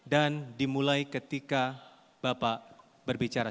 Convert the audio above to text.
dan dimulai ketika bapak berbicara